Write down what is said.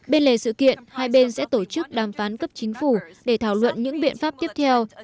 bên lề sự kiện hai bên sẽ tổ chức đàm phán cấp chính phủ để thảo luận những biện pháp tiếp theo